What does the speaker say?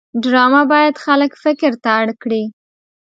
ډرامه باید خلک فکر ته اړ کړي